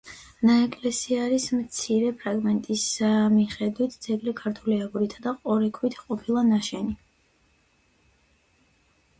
ნაეკლესიარის მცირე ფრაგმენტების მიხედვით ძეგლი ქართული აგურითა და ყორექვით ყოფილა ნაშენი.